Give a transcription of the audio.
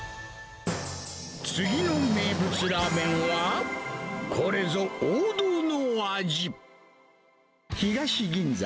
次の名物ラーメンは、これぞ王道の味。